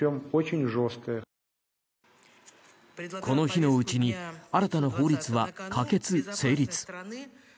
この日のうちに新たな法律は可決・成立。